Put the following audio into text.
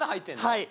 はい。